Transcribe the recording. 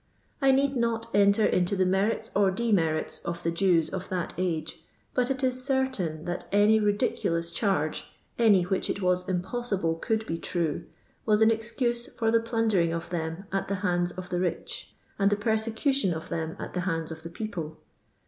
I need not enter into the merits or demerits of the Jews of that age, but it is certain that any ridiculous charge, any which it was impossible could be true, was an excuse for the plundering of them at the hands of the rich, and the persecution of them at the hands of the people.